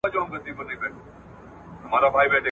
زما بغات ستا له ګفتاره سره نه جوړیږي ,